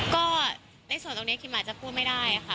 ก็ในส่วนตรงนี้คิมอาจจะพูดไม่ได้ค่ะ